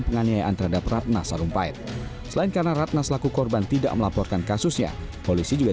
penganiayaan terhadap ratna sarumpait selain karena ratna selaku korban tidak melaporkan kasusnya polisi juga